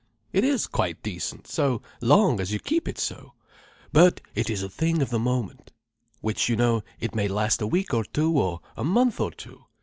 It is quite decent, so long as you keep it so. But it is a thing of the moment. Which you know. It may last a week or two, or a month or two.